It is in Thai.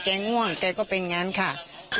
แกง่วงแกก็เป็นงั้นค่ะ